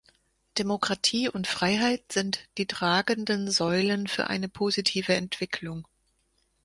Demokratie und Freiheit sind die tragenden Säulen für eine positive Entwicklung.